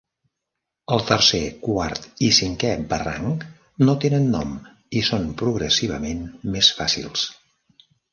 El tercer, quart i cinquè barranc no tenen nom i són progressivament més fàcils.